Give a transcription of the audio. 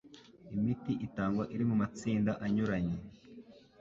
Imiti itangwa iri mu matsinda anyuranye,